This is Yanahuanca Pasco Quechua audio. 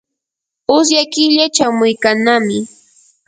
usya killa chamuykannami.